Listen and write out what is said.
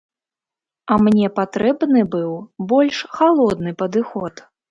А мне патрэбны быў больш халодны падыход.